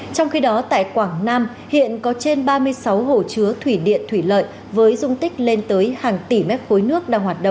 trong khi đó tại quảng nam hiện có trên ba mươi sáu hồ chứa thủy điện thủy lợi với dung tích lên tới hàng tỷ mét khối nước